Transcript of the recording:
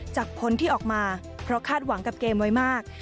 ผลที่ออกมาเพราะคาดหวังกับเกมไว้มาก